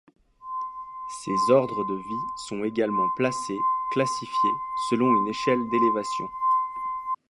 Ces ordres de vie sont également placés, classifiés, selon une échelle d’élévation.